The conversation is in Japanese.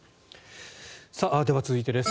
では、続いてです。